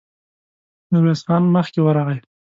ميرويس خان مخکې ورغی.